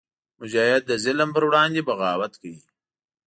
مجاهد د ظلم پر وړاندې بغاوت کوي.